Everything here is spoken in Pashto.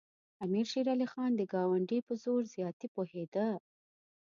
امیر شېر علي خان د ګاونډي په زور زیاتي پوهېده.